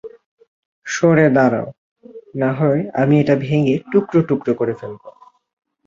সরে দাঁড়াও, নাহয় আমি এটা ভেঙ্গে টুকরো টুকরো করে ফেলবো!